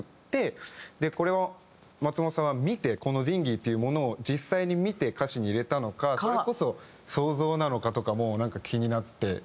これを松本さんは見てこのディンギーっていうものを実際に見て歌詞に入れたのかそれこそ想像なのかとかもなんか気になって。